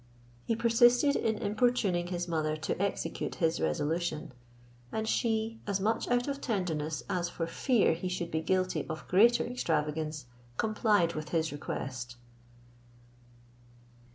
He persisted in importuning his mother to execute his resolution, and she, as much out of tenderness as for fear he should be guilty of greater extravagance, complied with his request.